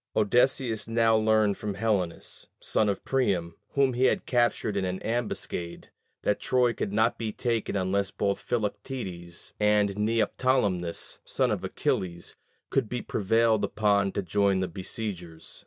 Odysseus now learned from Helenus, son of Priam, whom he had captured in an ambuscade, that Troy could not be taken unless both Philoctetes and Neoptolemus, son of Achilles, could be prevailed upon to join the besiegers.